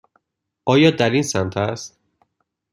آیا در این سمت است؟